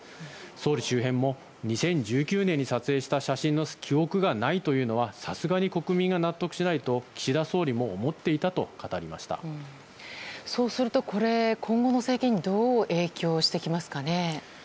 総理周辺も２０１９年に撮影した写真の記憶がないというのはさすがに国民は納得しないと岸田総理も思っていたとそうすると、今後の政権にどう影響してきますかね。